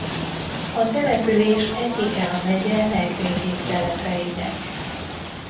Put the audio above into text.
A település egyike a megye legrégibb telepeinek.